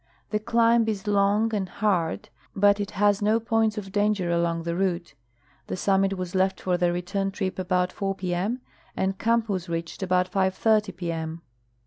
The climl) is long and hard, l)ut it has no points of danger along the route. The summit Avas left for the return trip about 4:00 p. in. and camp Avas reached about 5:30 p. m.